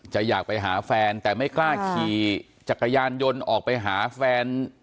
อยากไปหาแฟนแต่ไม่กล้าขี่จักรยานยนต์ออกไปหาแฟน